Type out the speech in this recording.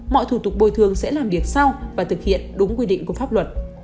mọi thủ tục bồi thương sẽ làm việc sau và thực hiện đúng quy định của pháp luận